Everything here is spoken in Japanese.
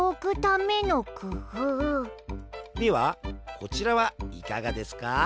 ではこちらはいかがですか？